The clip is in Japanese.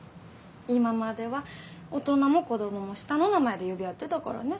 今までは大人も子供も下の名前で呼び合ってたからね。